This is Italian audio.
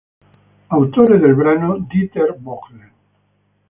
Autore del brano Dieter Bohlen.